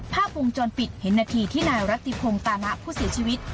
ภาพวงจรปิดเห็นนาทีที่นายรัติพงตานะผู้เสียชีวิต